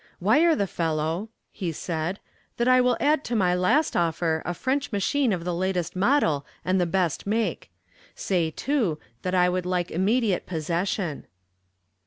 "Wire the fellow," he said, "that I will add to my last offer a French machine of the latest model and the best make. Say, too, that I would like immediate possession."